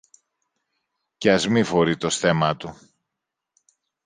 και ας μη φορεί το στέμμα του